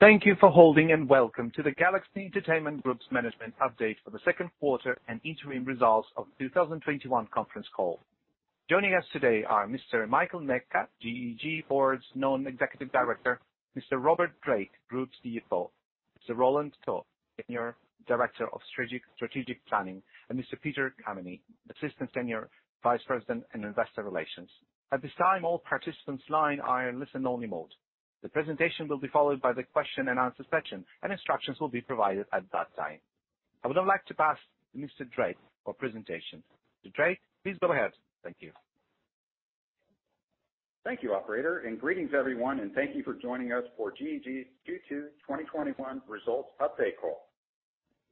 Thank you for holding and welcome to the Galaxy Entertainment Group's management update for the second quarter and interim results of 2021 conference call. Joining us today are Mr. Michael Mecca, GEG board's Non-Executive Director, Mr. Robert Drake, Group CFO, Mr. Roland To, Senior Director of Strategic Planning, and Mr. Peter Caveny, Assistant Senior Vice President in Investor Relations. At this time, all participants' line are in listen only mode. The presentation will be followed by the question and answer section, and instructions will be provided at that time. I would now like to pass to Mr. Drake for presentation. Mr. Drake, please go ahead. Thank you. Thank you, operator, and greetings everyone, and thank you for joining us for GEG's Q2 2021 results update call.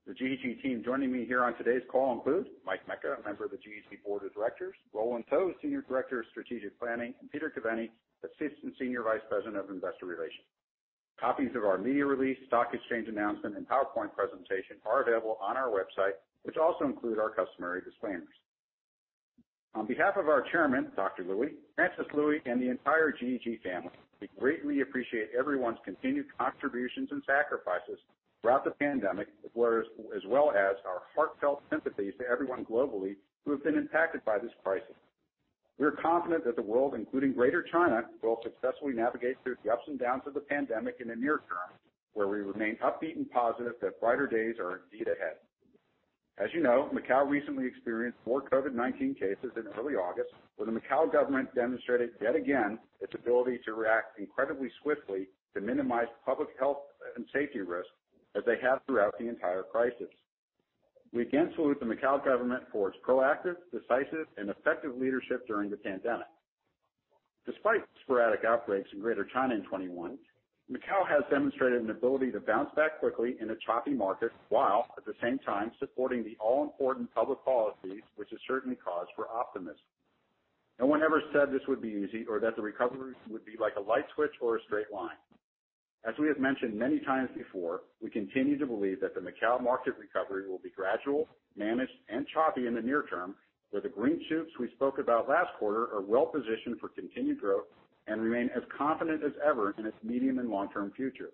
The GEG team joining me here on today's call include Mike Mecca, a member of the GEG Board of Directors, Roland To, Senior Director of Strategic Planning, and Peter Caveny, Assistant Senior Vice President of Investor Relations. Copies of our media release, stock exchange announcement, and PowerPoint presentation are available on our website, which also include our customary disclaimers. On behalf of our Chairman, Dr. Lui, Francis Lui, and the entire GEG family, we greatly appreciate everyone's continued contributions and sacrifices throughout the pandemic, as well as our heartfelt sympathies to everyone globally who have been impacted by this crisis. We are confident that the world, including Greater China, will successfully navigate through the ups and downs of the pandemic in the near term, where we remain upbeat and positive that brighter days are indeed ahead. As you know, Macau recently experienced more COVID-19 cases in early August, where the Macau government demonstrated, yet again, its ability to react incredibly swiftly to minimize public health and safety risks as they have throughout the entire crisis. We again salute the Macau government for its proactive, decisive, and effective leadership during the pandemic. Despite sporadic outbreaks in Greater China in 2021, Macau has demonstrated an ability to bounce back quickly in a choppy market, while at the same time supporting the all-important public policies, which is certainly cause for optimism. No one ever said this would be easy or that the recovery would be like a light switch or a straight line. As we have mentioned many times before, we continue to believe that the Macau market recovery will be gradual, managed, and choppy in the near term, where the green shoots we spoke about last quarter are well-positioned for continued growth and remain as confident as ever in its medium and long-term future.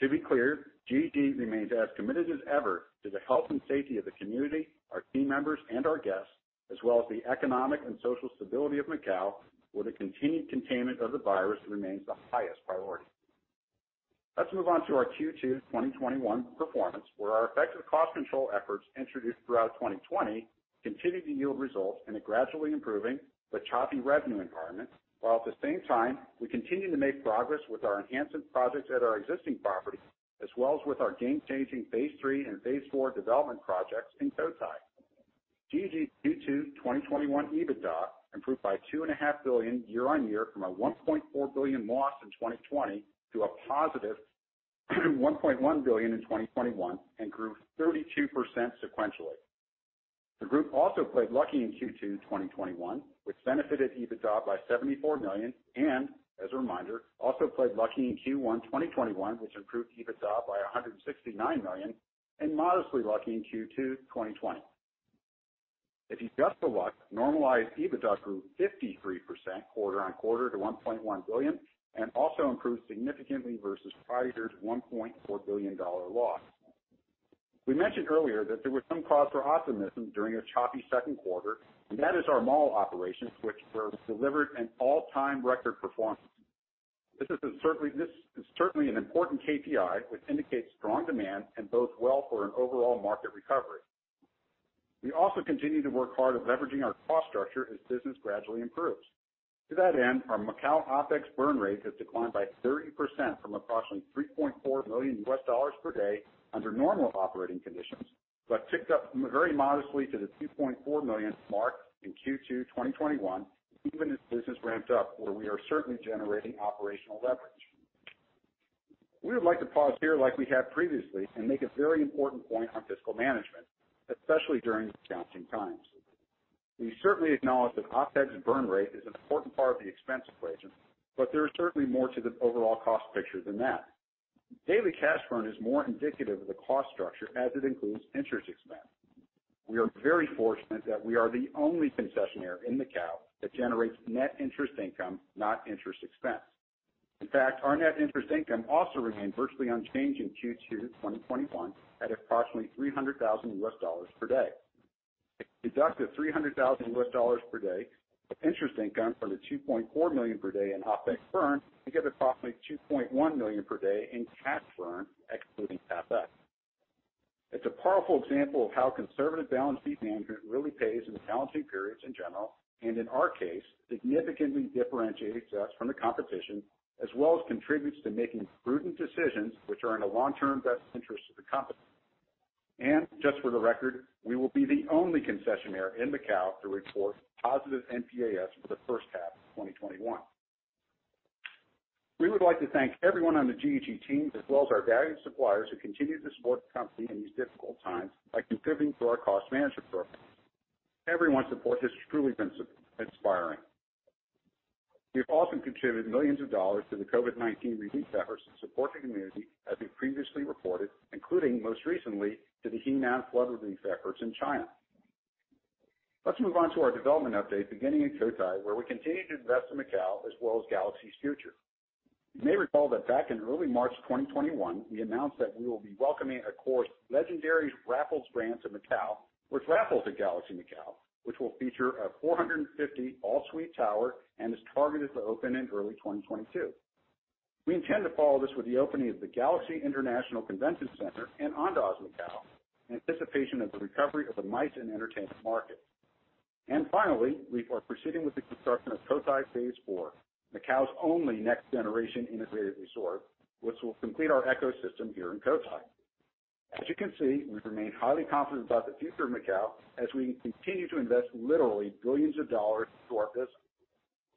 To be clear, GEG remains as committed as ever to the health and safety of the community, our team members, and our guests, as well as the economic and social stability of Macau, where the continued containment of the virus remains the highest priority. Let's move on to our Q2 2021 performance where our effective cost control efforts introduced throughout 2020 continued to yield results in a gradually improving, but choppy revenue environment. While at the same time, we continue to make progress with our enhancement projects at our existing properties, as well as with our game-changing phase III and phase IV development projects in Cotai. GEG's Q2 2021 EBITDA improved by 2.5 billion year-on-year from a 1.4 billion loss in 2020 to a +1.1 billion in 2021 and grew 32% sequentially. The group also played lucky in Q2 2021, which benefited EBITDA by 74 million, and as a reminder, also played lucky in Q1 2021, which improved EBITDA by 169 million, and modestly lucky in Q2 2020. If you adjust the luck, normalized EBITDA grew 53% quarter-on-quarter to 1.1 billion, and also improved significantly versus prior year's 1.4 billion dollar loss. We mentioned earlier that there was some cause for optimism during a choppy second quarter, and that is our mall operations, which delivered an all-time record performance. This is certainly an important KPI which indicates strong demand and bodes well for an overall market recovery. We also continue to work hard at leveraging our cost structure as business gradually improves. To that end, our Macau OPEX burn rate has declined by 30% from approximately HKD 3.4 million per day under normal operating conditions, but ticked up very modestly to the 2.4 million mark in Q2 2021 even as business ramps up, where we are certainly generating operational leverage. We would like to pause here like we have previously and make a very important point on fiscal management, especially during challenging times. We certainly acknowledge that OPEX burn rate is an important part of the expense equation, but there is certainly more to the overall cost picture than that. Daily cash burn is more indicative of the cost structure as it includes interest expense. We are very fortunate that we are the only concessionaire in Macau that generates net interest income, not interest expense. In fact, our net interest income also remained virtually unchanged in Q2 2021 at approximately HKD 300,000 per day. Deduct the HKD 300,000 per day interest income from the 2.4 million per day in OPEX burn to get approximately 2.1 million per day in cash burn, excluding CAPEX. It's a powerful example of how conservative balance sheet management really pays in challenging periods in general, and in our case, significantly differentiates us from the competition as well as contributes to making prudent decisions which are in the long-term best interest of the company. Just for the record, we will be the only concessionaire in Macau to report positive NPAS for the H1 of 2021. We would like to thank everyone on the GEG team, as well as our valued suppliers who continue to support the company in these difficult times by contributing to our cost management program. Everyone's support has truly been inspiring. We have also contributed millions of dollars to the COVID-19 relief efforts to support the community as we previously reported, including most recently to the Henan flood relief efforts in China. Let's move on to our development update, beginning in Cotai, where we continue to invest in Macau as well as Galaxy's future. You may recall that back in early March 2021, we announced that we will be welcoming Accor's legendary Raffles brand to Macau with Raffles at Galaxy Macau, which will feature a 450 all-suite tower and is targeted to open in early 2022. We intend to follow this with the opening of the Galaxy International Convention Center and Andaz Macau, in anticipation of the recovery of the MICE and entertainment market. Finally, we are proceeding with the construction of Cotai phase IV, Macau's only next-generation integrated resort, which will complete our ecosystem here in Cotai. As you can see, we remain highly confident about the future of Macau as we continue to invest literally billions of HKD into our business.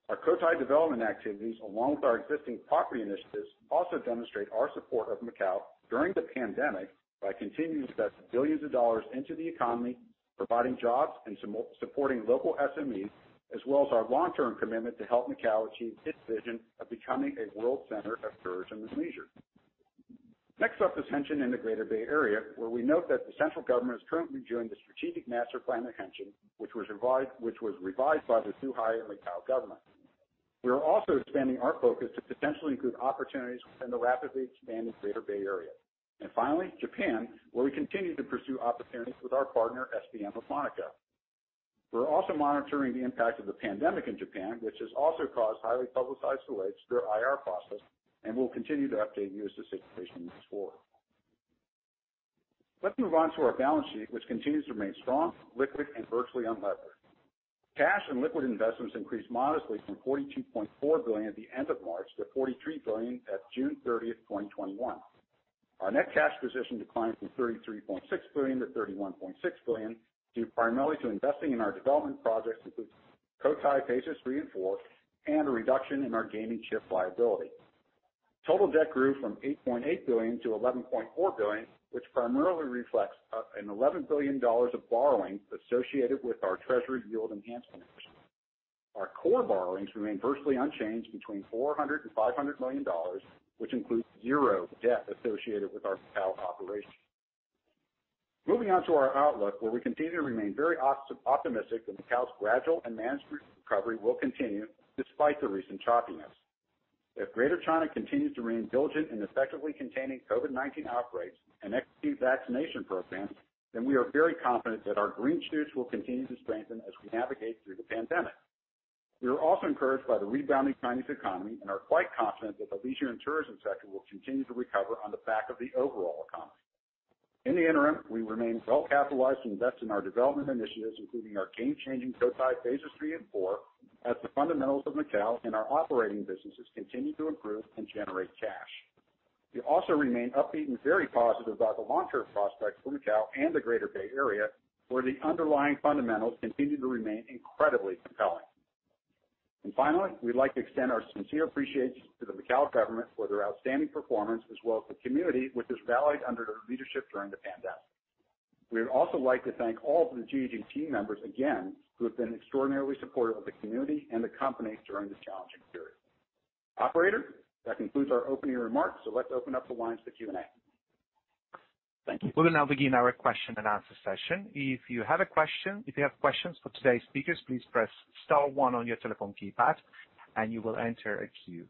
Our Cotai development activities, along with our existing property initiatives, also demonstrate our support of Macau during the pandemic by continuing to invest billions of HKD into the economy, providing jobs, and supporting local SMEs, as well as our long-term commitment to help Macau achieve its vision of becoming a world center of tourism and leisure. Next up is Hengqin in the Greater Bay Area, where we note that the central government has currently joined the strategic master plan of Hengqin, which was revised by the Zhuhai and Macau government. We are also expanding our focus to potentially include opportunities within the rapidly expanding Greater Bay Area. Finally, Japan, where we continue to pursue opportunities with our partner, SBM. We're also monitoring the impact of the pandemic in Japan, which has also caused highly publicized delays to our IR process, and we'll continue to update you as the situation moves forward. Let's move on to our balance sheet, which continues to remain strong, liquid, and virtually unlevered. Cash and liquid investments increased modestly from 42.4 billion at the end of March to 43 billion at June 30th, 2021. Our net cash position declined from 33.6 billion-31.6 billion, due primarily to investing in our development projects, including Cotai phases III and IV, and a reduction in our gaming chip liability. Total debt grew from 8.8 billion-11.4 billion, which primarily reflects an 11 billion dollars of borrowings associated with our treasury yield enhancement. Our core borrowings remain virtually unchanged between 400 million-500 million dollars, which includes zero debt associated with our Macau operations. Moving on to our outlook, where we continue to remain very optimistic that Macau's gradual and managed recovery will continue despite the recent choppiness. If Greater China continues to remain diligent in effectively containing COVID-19 outbreaks and executes vaccination programs, then we are very confident that our green shoots will continue to strengthen as we navigate through the pandemic. We are also encouraged by the rebounding Chinese economy and are quite confident that the leisure and tourism sector will continue to recover on the back of the overall economy. In the interim, we remain well-capitalized to invest in our development initiatives, including our game-changing Cotai phases III and IV, as the fundamentals of Macau and our operating businesses continue to improve and generate cash. We also remain upbeat and very positive about the long-term prospects for Macau and the Greater Bay Area, where the underlying fundamentals continue to remain incredibly compelling. Finally, we'd like to extend our sincere appreciation to the Macau government for their outstanding performance, as well as the community, which has rallied under their leadership during the pandemic. We would also like to thank all of the GEG team members again, who have been extraordinarily supportive of the community and the company during this challenging period. Operator, that concludes our opening remarks, let's open up the line to Q&A. Thank you. We'll now begin our question and answer session. If you have questions for today's speakers, please press star one on your telephone keypad and you will enter a queue.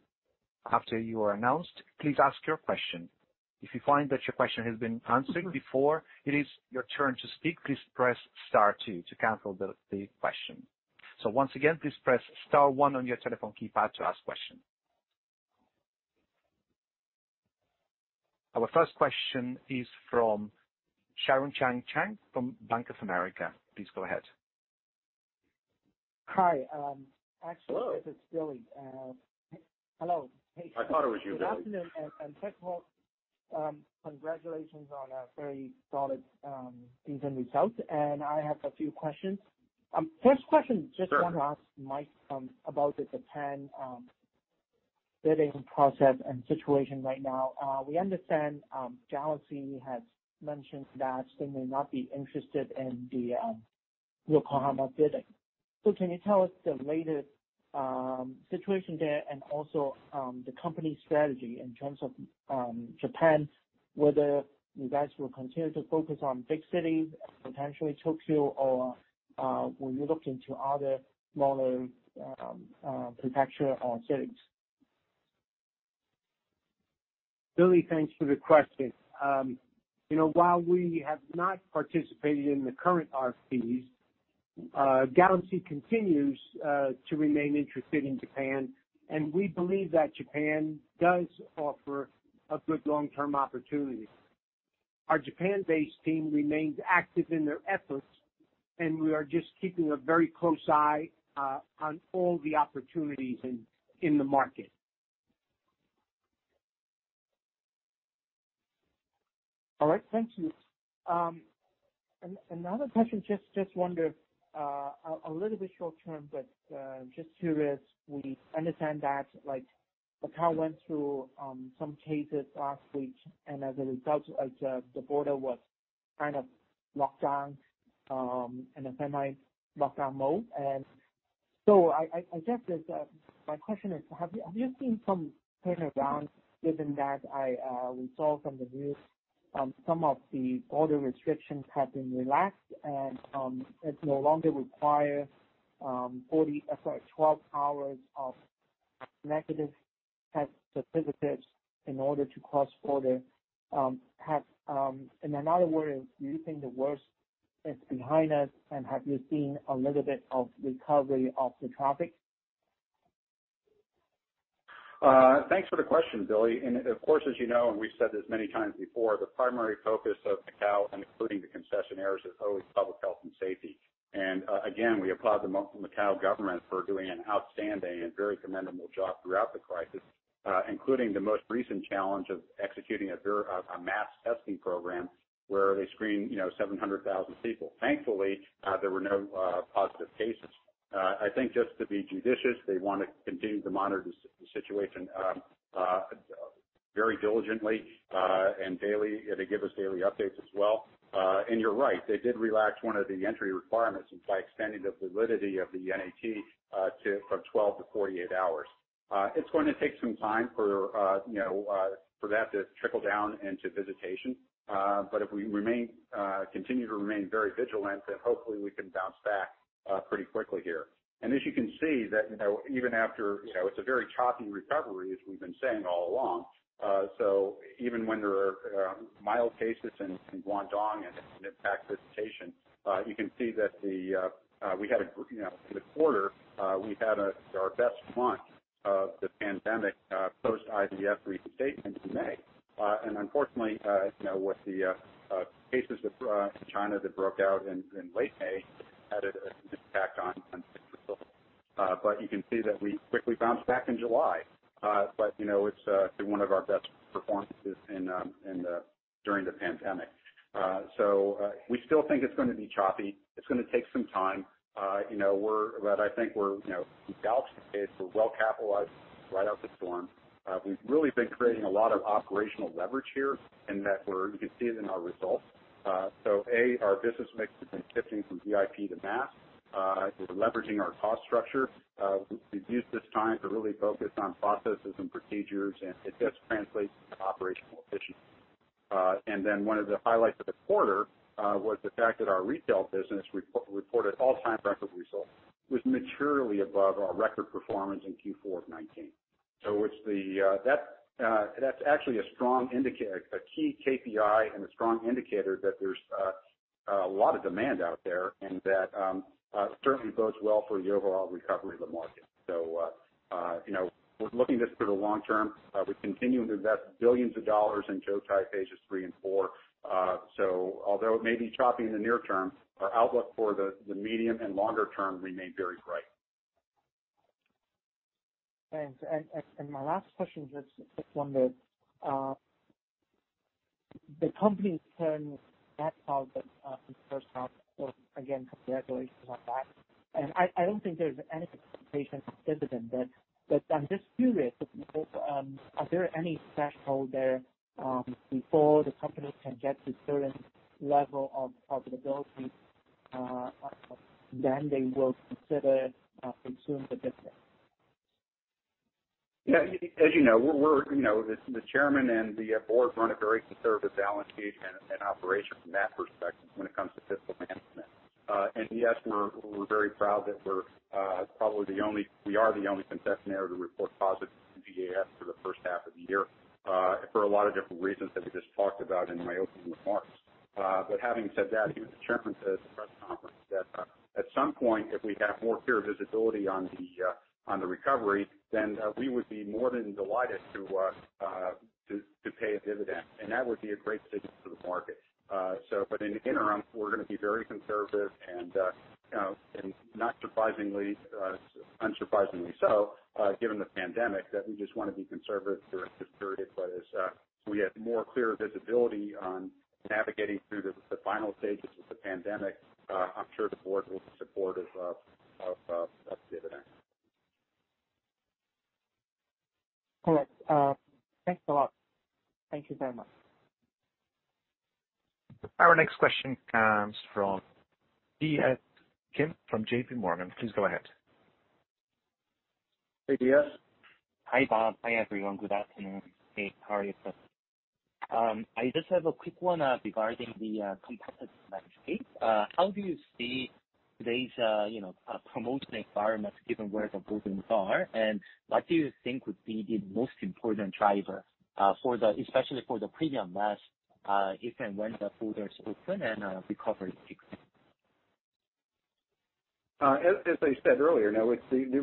After you are announced, please ask your question. If you find that your question has been answered before it is your turn to speak, please press star two to cancel the question. Once again, please press star one on your telephone keypad to ask question. Our first question is from Sharon Chang from Bank of America. Please go ahead. Hi. Hello This is Billy. Hello. I thought it was you, Billy. Good afternoon, first of all, congratulations on a very solid interim result. I have a few questions. First question. Sure. Just want to ask Mike about the Japan bidding process and situation right now. We understand Galaxy has mentioned that they may not be interested in the Yokohama bidding. Can you tell us the latest situation there and also the company's strategy in terms of Japan, whether you guys will continue to focus on big cities, potentially Tokyo, or will you look into other smaller prefecture or cities? Billy, thanks for the question. While we have not participated in the current RFPs, Galaxy continues to remain interested in Japan, and we believe that Japan does offer a good long-term opportunity. Our Japan-based team remains active in their efforts, and we are just keeping a very close eye on all the opportunities in the market. All right. Thank you. Another question, just wonder, a little bit short term, but just curious. We understand that Macau went through some cases last week, and as a result, the border was kind of locked down in a semi-lockdown mode. I guess my question is, have you seen some turnaround given that I saw from the news some of the border restrictions have been relaxed and it no longer requires 12 hours of negative test visits in order to cross border? In another word, do you think the worst is behind us, and have you seen a little bit of recovery of the traffic? Thanks for the question, Billy. Of course, as you know, and we've said this many times before, the primary focus of Macau, including the concessionaires, is always public health and safety. Again, we applaud the Macau government for doing an outstanding and very commendable job throughout the crisis, including the most recent challenge of executing a mass testing program where they screened 700,000 people. Thankfully, there were no positive cases. I think just to be judicious, they want to continue to monitor the situation very diligently and daily, and they give us daily updates as well. You're right, they did relax one of the entry requirements by extending the validity of the NAT from 12-48 hours. It's going to take some time for that to trickle down into visitation. If we continue to remain very vigilant, then hopefully we can bounce back pretty quickly here. As you can see, it's a very choppy recovery, as we've been saying all along. Even when there are mild cases in Guangdong and it impacts visitation, you can see that for the quarter, we've had our best month of the pandemic post-IVS reinstatement in May. Unfortunately, with the cases in China that broke out in late May, had an impact on visitors. You can see that we quickly bounced back in July. It's one of our best performances during the pandemic. We still think it's going to be choppy. It's going to take some time. I think we're well capitalized to ride out the storm. We've really been creating a lot of operational leverage here, and you can see it in our results. A, our business mix has been shifting from VIP to mass. We're leveraging our cost structure. We've used this time to really focus on processes and procedures, and it does translate to operational efficiency. One of the highlights of the quarter was the fact that our retail business reported all-time record results. It was materially above our record performance in Q4 of 2019. That's actually a key KPI and a strong indicator that there's a lot of demand out there and that certainly bodes well for the overall recovery of the market. We're looking this for the long term. We're continuing to invest billions of HKD in Cotai phases III and IV. Although it may be choppy in the near term, our outlook for the medium and longer term remain very bright. Thanks. My last question, just wondered. The company turned net profit in the first half, so again, congratulations on that. I don't think there's any expectation of dividend. I'm just curious, are there any threshold there before the company can get to certain level of profitability then they will consider pursuing the dividend? As you know, the Chairman and the board run a very conservative balance sheet and operation from that perspective when it comes to fiscal management. Yes, we're very proud that we are the only concessionaire to report positive GBAF for the H1 of the year for a lot of different reasons that we just talked about in my opening remarks. Having said that, even the Chairman said at the press conference that at some point, if we have more clear visibility on the recovery, then we would be more than delighted to pay a dividend, and that would be a great signal to the market. In the interim, we're going to be very conservative and not surprisingly so, given the pandemic, that we just want to be conservative during this period. As we have more clear visibility on navigating through the final stages of the pandemic, I'm sure the board will be supportive of the dividend. Correct. Thanks a lot. Thank you very much. Our next question comes from DS Kim from JP Morgan. Please go ahead. Hey, DS Kim. Hi, Bob. Hi, everyone. Good afternoon. Hey, how are you? I just have a quick one regarding the competitive landscape. How do you see today's promotion environment given where the borders are, and what do you think would be the most important driver, especially for the premium mass, if and when the borders open and recovery kicks in? As I said earlier,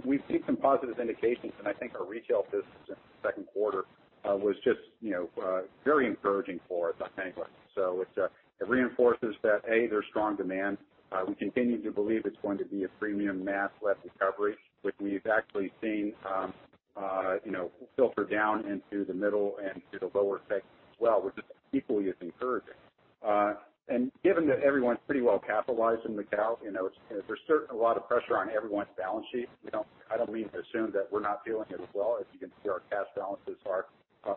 we've seen some positive indications. I think our retail business in the second quarter was just very encouraging for us, frankly. It reinforces that A, there's strong demand. We continue to believe it's going to be a premium mass-led recovery, which we've actually seen filter down into the middle and to the lower stakes as well, which is equally as encouraging. Given that everyone's pretty well capitalized in Macau, there's certainly a lot of pressure on everyone's balance sheet. I don't mean to assume that we're not feeling it as well. As you can see, our cash balances are,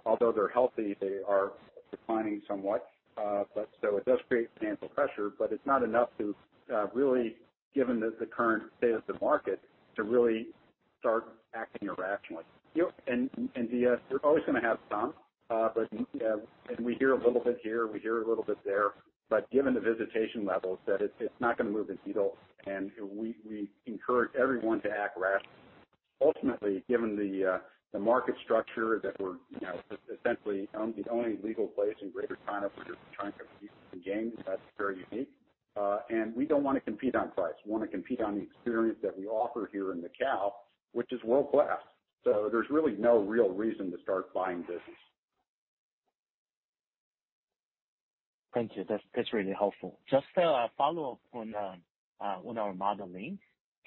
although they're healthy, they are declining somewhat. It does create financial pressure, but it's not enough to really, given the current state of the market, start acting irrationally. You're always going to have some, and we hear a little bit here, we hear a little bit there, but given the visitation levels, that it's not going to move the needle, and we encourage everyone to act rationally. Ultimately, given the market structure that we're essentially the only legal place in Greater China for just trying to compete in games, that's very unique. We don't want to compete on price. We want to compete on the experience that we offer here in Macau, which is world-class. There's really no real reason to start buying business. Thank you. That's really helpful. Just a follow-up on our modeling.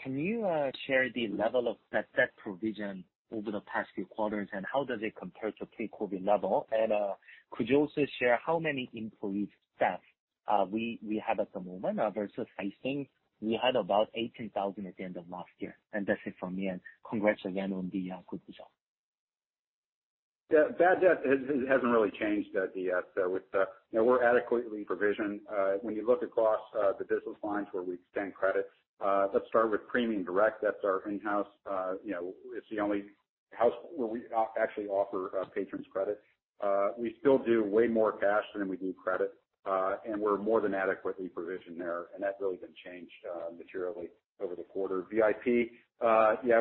Can you share the level of that provision over the past few quarters, and how does it compare to pre-COVID-19 level? Could you also share how many employee staff we have at the moment versus, I think we had about 18,000 at the end of last year. That's it from me, and congrats again on the good result. Bad debt hasn't really changed that yet. We're adequately provisioned. When you look across the business lines where we extend credit. Let's start with premium direct. That's our in-house, it's the only house where we actually offer patrons credit. We still do way more cash than we do credit. We're more than adequately provisioned there, and that really didn't change materially over the quarter. VIP,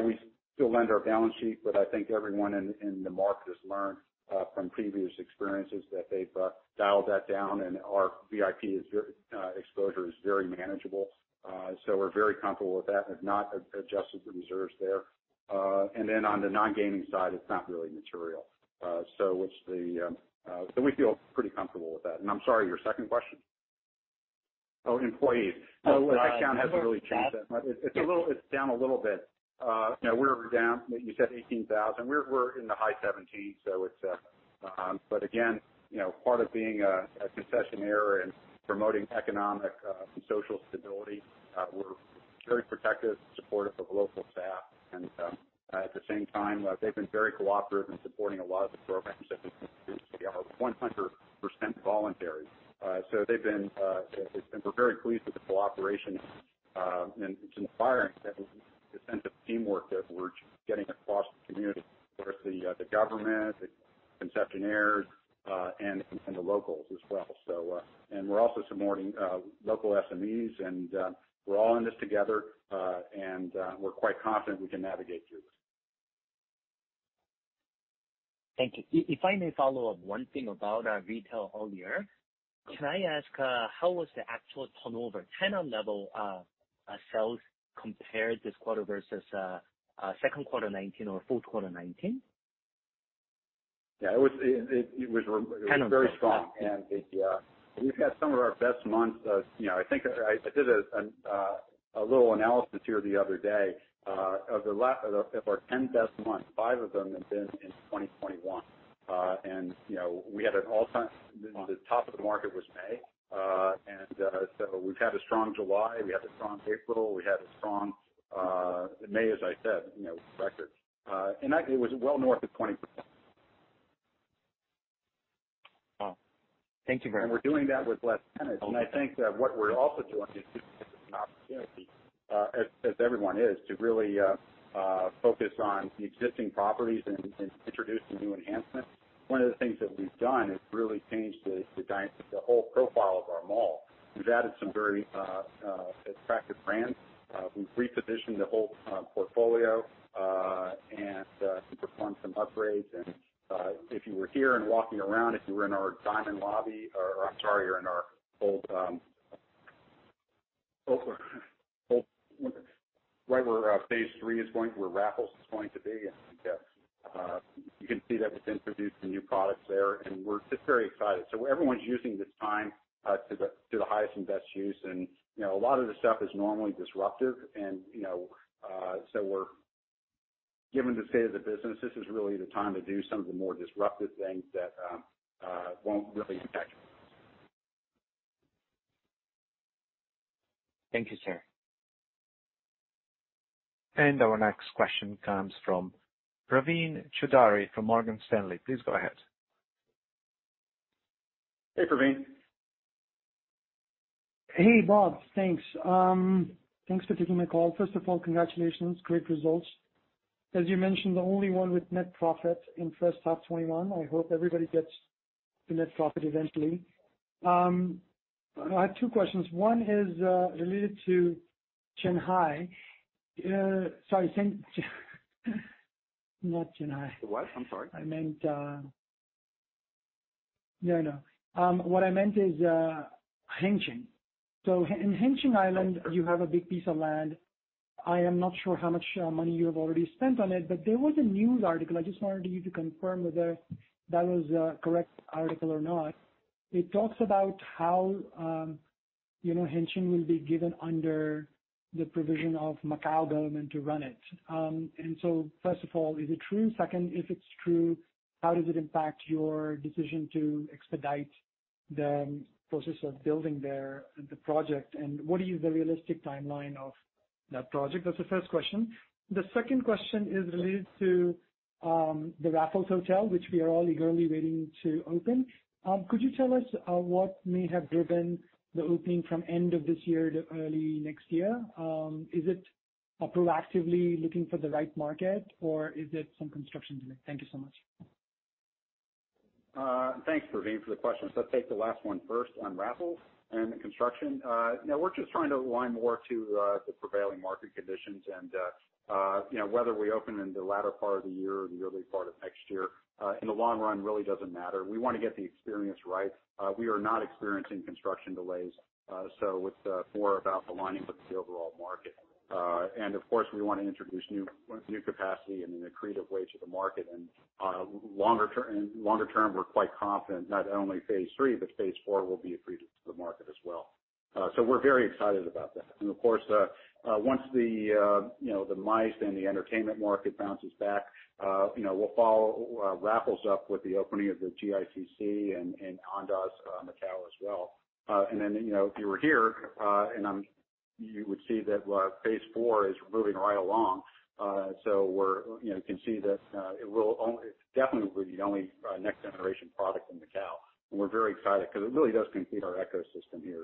we still lend our balance sheet, but I think everyone in the market has learned from previous experiences that they've dialed that down, and our VIP exposure is very manageable. We're very comfortable with that and have not adjusted the reserves there. On the non-gaming side, it's not really material. We feel pretty comfortable with that. I'm sorry, your second question? Employees. The headcount hasn't really changed that much. It's down a little bit. We were down, you said 18,000. We're in the high 17, but again, part of being a concessionaire and promoting economic and social stability, we're very protective, supportive of local staff, and at the same time, they've been very cooperative in supporting a lot of the programs that we've introduced. They are 100% voluntary. So we're very pleased with the cooperation, and it's inspiring the sense of teamwork that we're getting across the community versus the government, the concessionaires, and the locals as well. And we're also supporting local SMEs, and we're all in this together, and we're quite confident we can navigate through this. Thank you. If I may follow up one thing about our retail earlier. Can I ask how was the actual turnover tenant level sales compared this quarter versus second quarter 2019 or fourth quarter 2019? Yeah, it was very strong. We've had some of our best months. I did a little analysis here the other day. Of our 10 best months, five of them have been in 2021. The top of the market was May. We've had a strong July, we had a strong April, we had a strong May, as I said, record. It was well north of 20%. Wow. Thank you very much. We're doing that with less tenants. I think that what we're also doing is taking this as an opportunity, as everyone is, to really focus on the existing properties and introduce some new enhancements. One of the things that we've done is really changed the whole profile of our mall. We've added some very attractive brands. We've repositioned the whole portfolio, and performed some upgrades. If you were here and walking around, if you were in our diamond lobby or, right where phase III is going, where Raffles is going to be, I think that you can see that we've introduced some new products there, and we're just very excited. Everyone's using this time to the highest and best use. A lot of this stuff is normally disruptive, and so given the state of the business, this is really the time to do some of the more disruptive things that won't really impact. Thank you, sir. Our next question comes from Praveen Choudhary from Morgan Stanley. Please go ahead. Hey, Praveen. Hey, Bob. Thanks. Thanks for taking my call. First of all, congratulations. Great results. As you mentioned, the only one with net profit in H1 2021. I hope everybody gets the net profit eventually. I have two questions. One is related to Shanghai. Sorry, not Shanghai. What? I'm sorry. I meant, what I meant is Hengqin. In Hengqin Island, you have a big piece of land. I am not sure how much money you have already spent on it, but there was a news article, I just wanted you to confirm whether that was a correct article or not. It talks about how Hengqin will be given under the provision of Macau government to run it. First of all, is it true? Second, if it's true, how does it impact your decision to expedite the process of building the project, and what is the realistic timeline of that project? That's the first question. The second question is related to The Raffles Hotel, which we are all eagerly waiting to open. Could you tell us what may have driven the opening from end of this year to early next year? Is it proactively looking for the right market, or is it some construction delay? Thank you so much. Thanks, Praveen, for the question. I'll take the last one first on Raffles and the construction. No, we're just trying to align more to the prevailing market conditions and whether we open in the latter part of the year or the early part of next year, in the long run, really doesn't matter. We want to get the experience right. We are not experiencing construction delays. It's more about the lining with the overall market. Of course, we want to introduce new capacity and then creative ways to the market. Longer-term, we're quite confident not only phase III, but phase IV will be accretive to the market as well. We're very excited about that. Of course, once the MICE and the entertainment market bounces back, we'll follow Raffles up with the opening of the GICC and Andaz Macau as well. If you were here, you would see that phase IV is moving right along. We can see that it's definitely the only next generation product in Macau, and we're very excited because it really does complete our ecosystem here.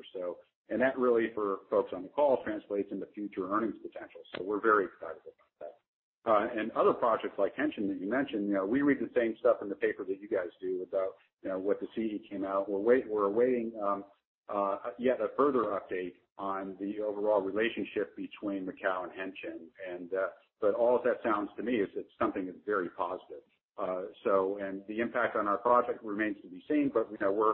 Really, for folks on the call, translates into future earnings potential. We're very excited about that. Projects like Hengqin that you mentioned, we read the same stuff in the paper that you guys do about what the CE came out. We're awaiting yet a further update on the overall relationship between Macau and Hengqin. All of that sounds to me is it's something that's very positive. The impact on our project remains to be seen, but we're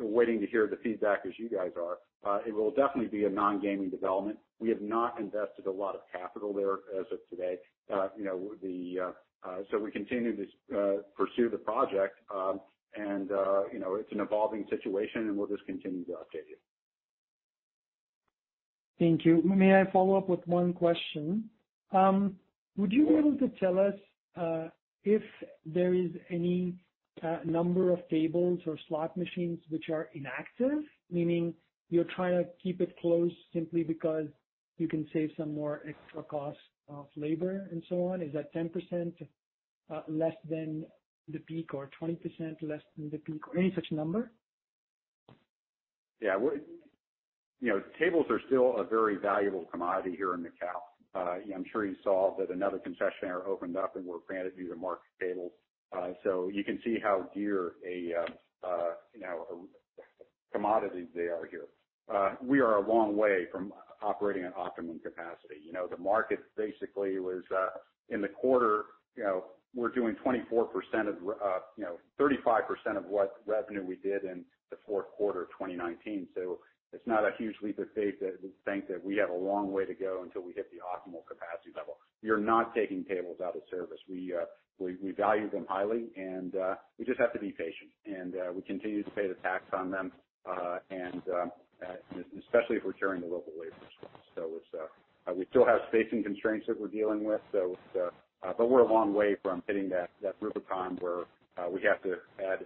waiting to hear the feedback as you guys are. It will definitely be a non-gaming development. We have not invested a lot of capital there as of today. We continue to pursue the project, and it's an evolving situation, and we'll just continue to update you. Thank you. May I follow up with one question? Sure. Would you be able to tell us if there is any number of tables or slot machines which are inactive? Meaning you're trying to keep it closed simply because you can save some more extra cost of labor and so on. Is that 10% less than the peak or 20% less than the peak or any such number? Tables are still a very valuable commodity here in Macau. I'm sure you saw that another concessionaire opened up, and were granted new-to-market tables. You can see how dear a commodity they are here. We are a long way from operating at optimum capacity. In the quarter, we're doing 35% of what revenue we did in the fourth quarter of 2019. It's not a huge leap of faith to think that we have a long way to go until we hit the optimal capacity level. We are not taking tables out of service. We value them highly, and we just have to be patient. We continue to pay the tax on them, and especially if we're carrying the local labor as well. We still have spacing constraints that we're dealing with. We're a long way from hitting that Rubicon where we have to add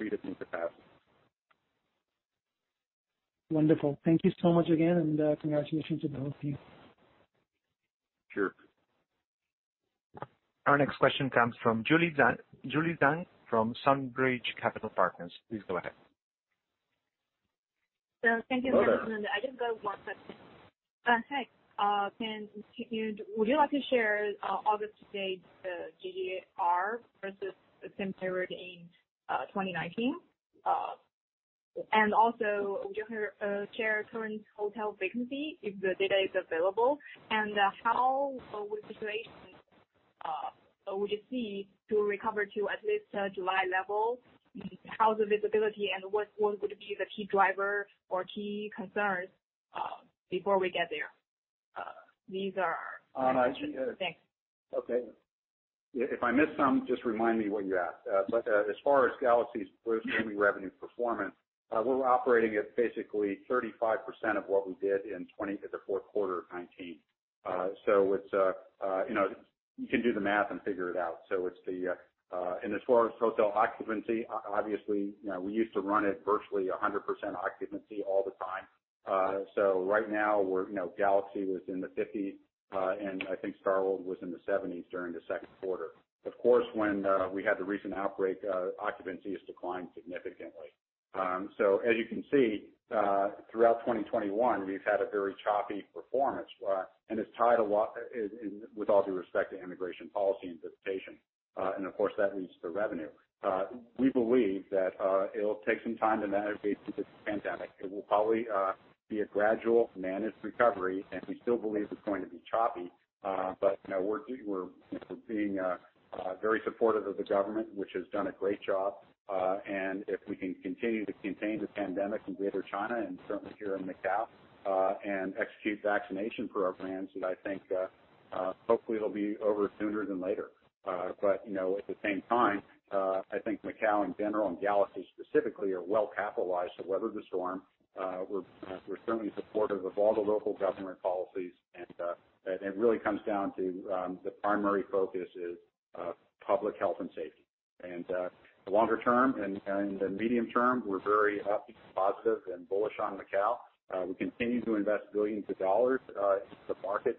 accretive new capacity. Wonderful. Thank you so much again, and congratulations on the whole thing. Sure. Our next question comes from Julie Zhang from Sunbridge Capital Partners. Please go ahead. Thank you. Hello there. I just got one question. Hi. Would you like to share August to date GGR versus the same period in 2019? Would you share current hotel vacancy if the data is available, and how will the situation, would you see to recover to at least July levels? How's the visibility, and what would be the key driver or key concerns before we get there? These are. Thanks. Okay. If I miss some, just remind me what you asked. As far as Galaxy's gross gaming revenue performance, we're operating at basically 35% of what we did in the fourth quarter of 2019. You can do the math and figure it out. As far as hotel occupancy, obviously, we used to run at virtually 100% occupancy all the time. Right now, Galaxy was in the 50s, and I think StarWorld was in the 70s during the second quarter. Of course, when we had the recent outbreak, occupancy has declined significantly. As you can see, throughout 2021, we've had a very choppy performance, and it's tied a lot, with all due respect to immigration policy and visitation. Of course, that leads to revenue. We believe that it'll take some time to navigate through this pandemic. It will probably be a gradual managed recovery, and we still believe it's going to be choppy. We're being very supportive of the government, which has done a great job. If we can continue to contain the pandemic in Greater China and certainly here in Macau, and execute vaccination programs, then I think, hopefully it'll be over sooner than later. At the same time, I think Macau in general, and Galaxy specifically, are well capitalized to weather the storm. We're certainly supportive of all the local government policies, and it really comes down to the primary focus is public health and safety. The longer term and the medium term, we're very upbeat, positive, and bullish on Macau. We continue to invest billions of dollars into the market.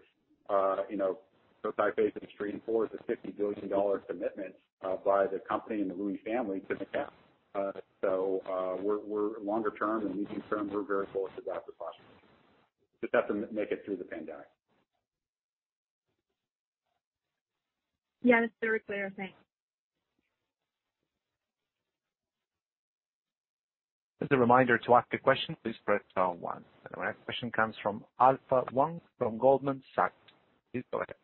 Cotai phases III and IV is a 50 billion dollar commitment by the company and the Lui family to Macau. Longer term and medium term, we're very bullish as that's possible. Just have to make it through the pandemic. Yes, very clear. Thanks. Just a reminder, to ask a question, please press star one. Our next question comes from Alpha Wang from Goldman Sachs. Please go ahead.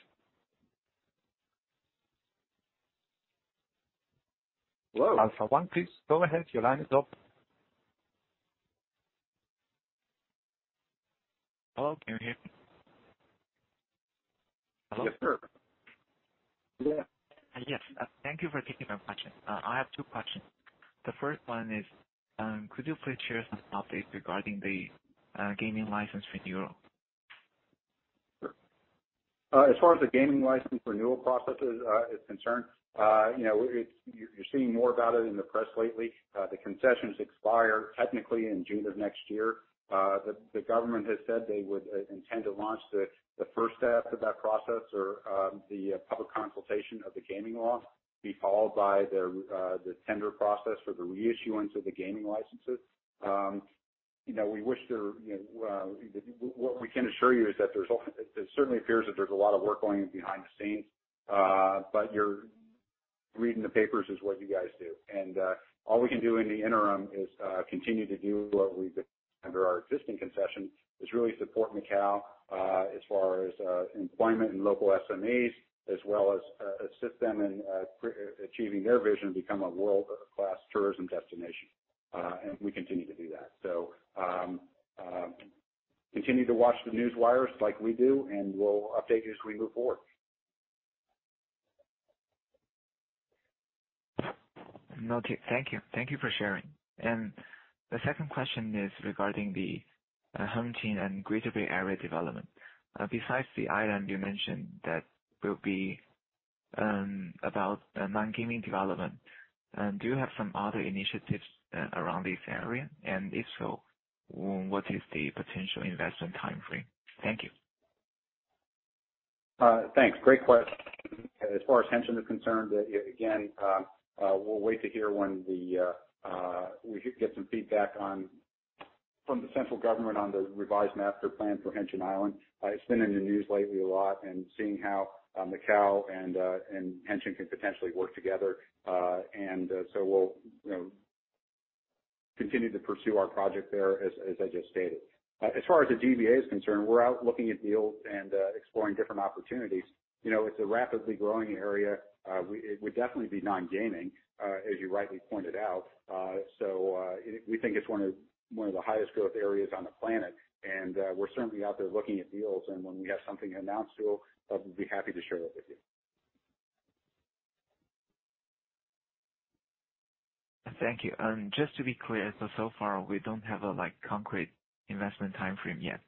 Hello? Alpha Wang, please go ahead. Your line is open. Hello, can you hear me? Hello? Yes, sir. Yeah. Yes. Thank you for taking my question. I have two questions. The first one is, could you please share some updates regarding the gaming license renewal? Sure. As far as the gaming license renewal process is concerned, you're seeing more about it in the press lately. The concessions expire technically in June of next year. The government has said they would intend to launch the first steps of that process or the public consultation of the gaming law, be followed by the tender process for the reissuance of the gaming licenses. What we can assure you is that it certainly appears that there's a lot of work going behind the scenes. You're reading the papers is what you guys do. All we can do in the interim is, continue to do what we've been under our existing concession, is really support Macau, as far as employment and local SMEs, as well as assist them in achieving their vision to become a world-class tourism destination. We continue to do that. Continue to watch the news wires like we do, and we'll update you as we move forward. Noted. Thank you. Thank you for sharing. The second question is regarding the Hengqin and Greater Bay Area development. Besides the item you mentioned that will be about non-gaming development, do you have some other initiatives around this area? If so, what is the potential investment timeframe? Thank you. Thanks. Great question. As far as Hengqin is concerned, again, we'll wait to hear once we get some feedback from the central government on the revised master plan for Hengqin Island. It's been in the news lately a lot and seeing how Macau and Hengqin can potentially work together. We'll continue to pursue our project there as I just stated. As far as the GBA is concerned, we're out looking at deals and exploring different opportunities. It's a rapidly growing area. It would definitely be non-gaming, as you rightly pointed out. We think it's one of the highest growth areas on the planet, and we're certainly out there looking at deals. When we have something announced, we'll be happy to share that with you. Thank you. Just to be clear, so far, we don't have a concrete investment timeframe yet.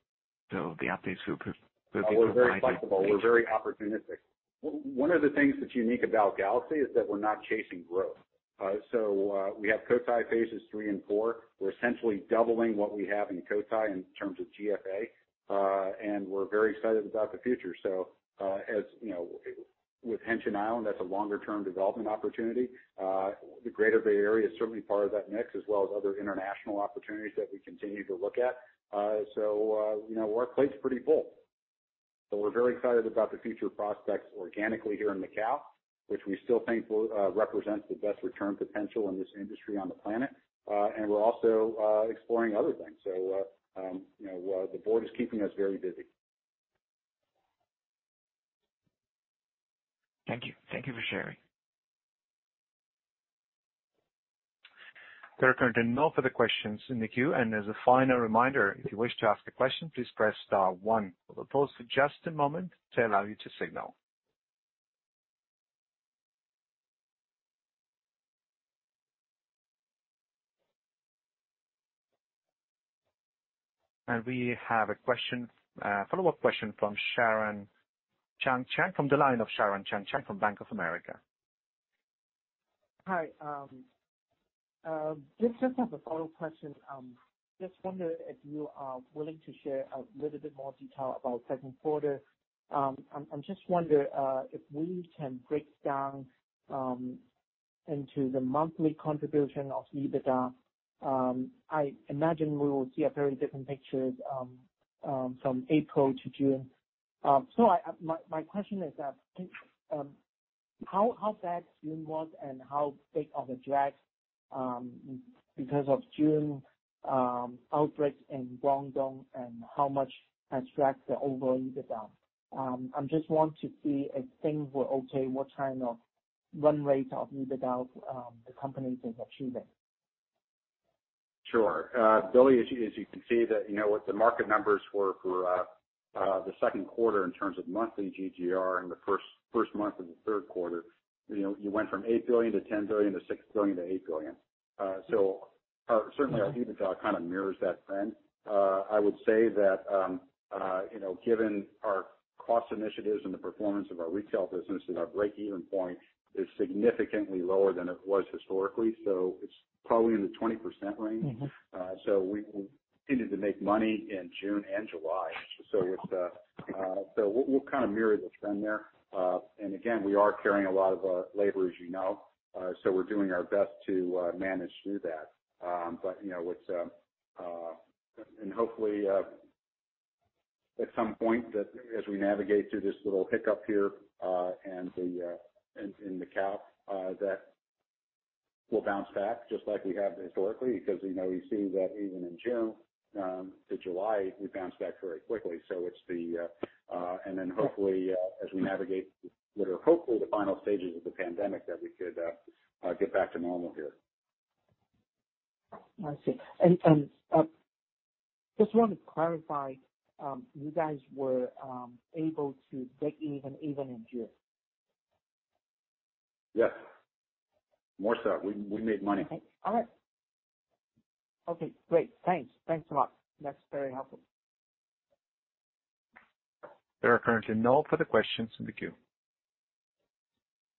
The updates will be provided. We're very flexible. We're very opportunistic. One of the things that's unique about Galaxy is that we're not chasing growth. We have Cotai phases III and IV. We're essentially doubling what we have in Cotai in terms of GFA. We're very excited about the future. With Hengqin Island, that's a longer-term development opportunity. The Greater Bay Area is certainly part of that mix, as well as other international opportunities that we continue to look at. Our plate's pretty full. We're very excited about the future prospects organically here in Macau, which we still think represents the best return potential in this industry on the planet. We're also exploring other things. The board is keeping us very busy. Thank you. Thank you for sharing. There are currently no further questions in the queue. As a final reminder, if you wish to ask a question, please press star one. We'll pause for just a moment to allow you to signal. We have a follow-up question from the line of Sharon Chang from Bank of America. Hi. Just have a follow-up question. Just wonder if you are willing to share a little bit more detail about second quarter. I just wonder if we can break down into the monthly contribution of EBITDA. I imagine we will see a very different picture from April to June. My question is that, how bad June was and how big of a drag because of June outbreaks in Guangdong, and how much has dragged the overall EBITDA? I just want to see if things were okay, what kind of run rate of EBITDA the company is achieving. Sure. Billy, as you can see that what the market numbers were for the second quarter in terms of monthly GGR and the first month of the third quarter, you went from 8 billion-10 billion-HKD 6 billion- HKD 8 billion. Certainly our EBITDA kind of mirrors that trend. I would say that given our cost initiatives and the performance of our retail business and our break-even point is significantly lower than it was historically. It's probably in the 20% range. We continued to make money in June and July. We'll kind of mirror the trend there. Again, we are carrying a lot of labor, as you know. We're doing our best to manage through that. Hopefully, at some point, as we navigate through this little hiccup here in Macau, that we'll bounce back just like we have historically, because you see that even in June to July, we bounced back very quickly. Then hopefully, as we navigate what are hopefully the final stages of the pandemic, that we could get back to normal here. I see. Just want to clarify, you guys were able to break even in June? Yes. More so. We made money. All right. Okay, great. Thanks. Thanks a lot. That's very helpful. There are currently no further questions in the queue.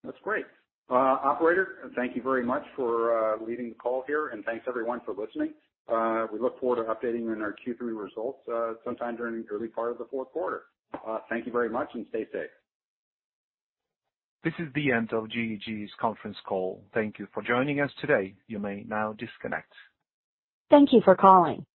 That's great. Operator, thank you very much for leading the call here, and thanks everyone for listening. We look forward to updating on our Q3 results, sometime during the early part of the fourth quarter. Thank you very much, and stay safe. This is the end of GEG's conference call. Thank you for joining us today. You may now disconnect. Thank you for calling.